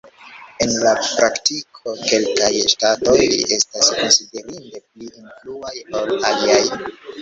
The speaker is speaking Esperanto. En la praktiko, kelkaj ŝtatoj estas konsiderinde pli influaj ol aliaj.